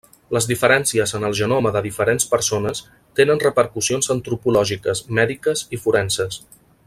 Les diferències en el genoma de diferents persones tenen repercussions antropològiques, mèdiques i forenses.